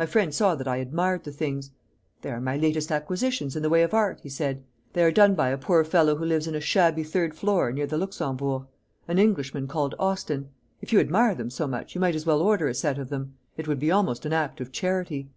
My friend saw that I admired the things. 'They are my latest acquisitions in the way of art,' he said; they are done by a poor fellow who lives in a shabby third floor near the Luxembourg an Englishman called Austin. If you admire them so much, you might as well order a set of them. It would be almost an act of charity.'